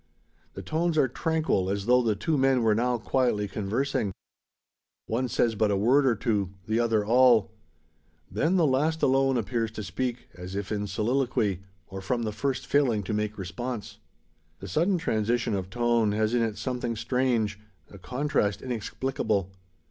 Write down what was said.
The tones are tranquil, as though the two men were now quietly conversing. One says but a word or two; the other all. Then the last alone appears to speak, as if in soliloquy, or from the first failing to make response. The sudden transition of tone has in it something strange a contrast inexplicable.